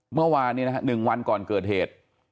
เมื่อวานเนี่ยหนึ่งวันก่อนเกิดเหตุ